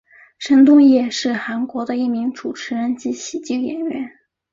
申东烨是韩国的一名主持人及喜剧演员。